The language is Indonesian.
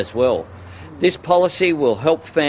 polisi ini akan membantu keluarga